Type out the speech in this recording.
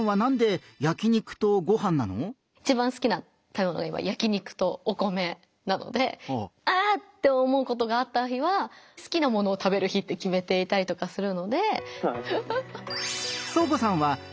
いちばん好きな食べ物が今焼肉とお米なのであぁっ！って思うことがあった日は好きなものを食べる日って決めていたりとかするので。